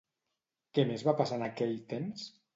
Què més va passar en aquell temps?